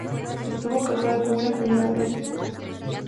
Estuvo casado con una cuñada de este.